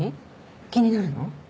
気になるの？